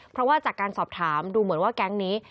เพราะว่าจากการสอบถามดูเหมือนว่าแก๊งนี้